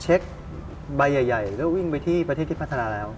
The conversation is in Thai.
เช็คใบใหญ่แล้ววิ่งไปที่ประเทศที่พัฒนาแล้ว